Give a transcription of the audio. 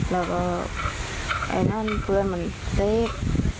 แล้วก็ติดด่าเพื่อนมันเสพ